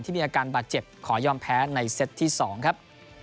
มีอาการบาดเจ็บขอยอมแพ้ในเซตที่๒ครับ